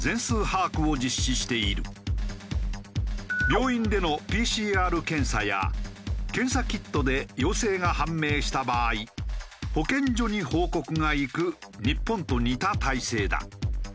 病院でのＰＣＲ検査や検査キットで陽性が判明した場合保健所に報告がいく日本と似た体制だ。